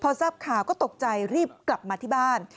พอทราบข่าวก็ตกใจรีบกลับมาที่บ้าน